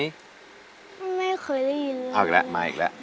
ไม่เคยได้ยินเลย